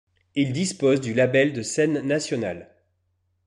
Il dispose du label de scène nationale.